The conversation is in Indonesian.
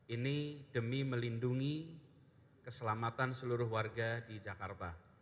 ini demi melindungi keselamatan seluruh warga di jakarta